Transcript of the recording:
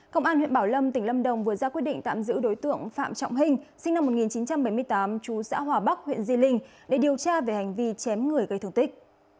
công an huyện bảo lâm tỉnh lâm đồng vừa ra quyết định tạm giữ đối tượng phạm trọng hình sinh năm một nghìn chín trăm bảy mươi tám chú xã hòa bắc huyện di linh để điều tra về hành vi chém người gây thương tích